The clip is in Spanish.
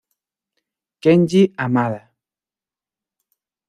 Kenji Hamada